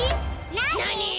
なに？